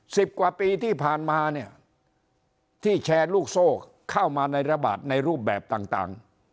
สิบกว่าปีที่ผ่านมาเนี่ยที่แชร์ลูกโซ่เข้ามาในระบาดในรูปแบบต่างต่าง